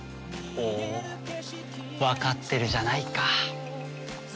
ほうわかってるじゃないか。